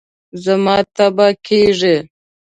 زما تبه کېږي